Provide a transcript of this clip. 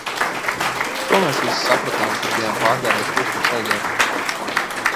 To visu mēs sapratām, kad bijām pārgājuši Usmas ezeru.